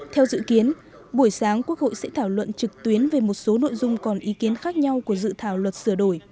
theo dự kiến buổi sáng quốc hội sẽ thảo luận trực tuyến về một số nội dung còn ý kiến khác nhau của dự thảo luật sửa đổi